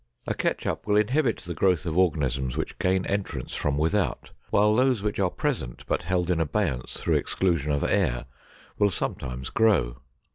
A ketchup will inhibit the growth of organisms which gain entrance from without, while those which are present but held in abeyance through exclusion of air, will sometimes grow.